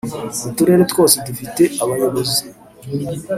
uturere twose dufite abayobozi